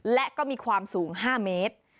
และก็มีความสูง๕เมตร